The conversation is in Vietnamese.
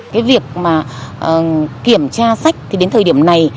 cái việc mà kiểm tra sách thì đến thời điểm này